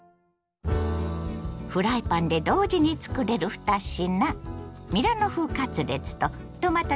フライパンで同時につくれる２品。